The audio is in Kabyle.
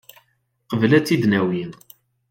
Qabel ad tt-id-nawi.